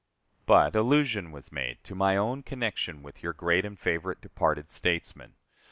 But allusion was made to my own connection with your great and favorite departed statesman.